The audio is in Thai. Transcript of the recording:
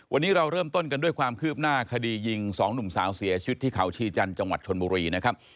วันนี้เราเริ่มต้นกันด้วยความคืบหน้าคดียิงสองหนุ่มสาวเสียชีวิตที่เขาชีจันทร์จังหวัดชนบุรีนะครับ